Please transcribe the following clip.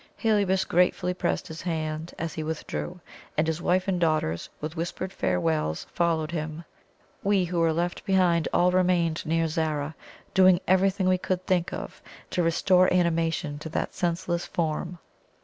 Heliobas gratefully pressed his hand as he withdrew, and his wife and daughters, with whispered farewells, followed him. We who were left behind all remained near Zara, doing everything we could think of to restore animation to that senseless form.